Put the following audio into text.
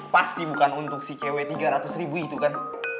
pasti bukan untuk si cewek tiga ratus ribu itu kan